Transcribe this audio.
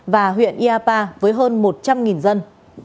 và huyện iapa với hơn một trăm linh dân